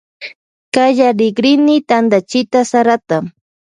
Kallarikrini tantachita sarata.